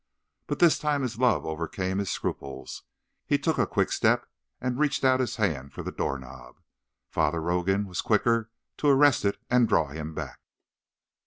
But this time his love overcame his scruples. He took a quick step, and reached out his hand for the doorknob. Father Rogan was quicker to arrest it and draw him back.